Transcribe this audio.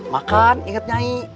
makan inget nyai